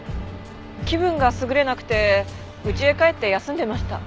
気分が優れなくてうちへ帰って休んでいました。